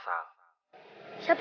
kan pengen ambil